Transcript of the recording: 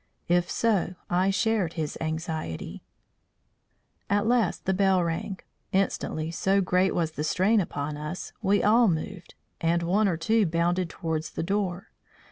If so, I shared his anxiety. At last the bell rang. Instantly, so great was the strain upon us, we all moved, and one or two bounded towards the door.